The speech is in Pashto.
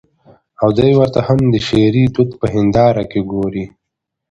او دى ورته هم د شعري دود په هېنداره کې ګوري.